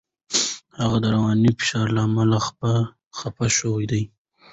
هغه د رواني فشار له امله خپه شوی دی.